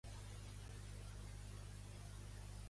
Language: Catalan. Pulla, Basilicata i Calàbria tenen costa al golf.